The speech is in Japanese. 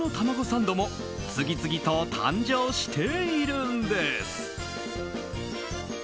サンドも次々と誕生しているんです。